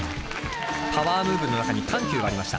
パワームーブの中に緩急がありました。